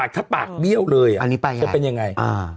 ถ้าปากเบี้ยวเลยจะเป็นยังไง